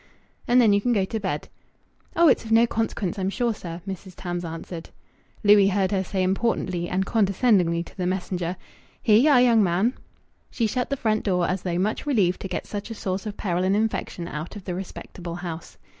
"And then you can go to bed." "Oh! It's of no consequence, I'm sure, sir," Mrs. Tams answered. Louis heard her say importantly and condescendingly to the messenger "Here ye are, young man." She shut the front door as though much relieved to get such a source of peril and infection out of the respectable house.